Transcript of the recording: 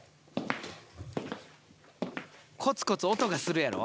コツコツ音がするやろ？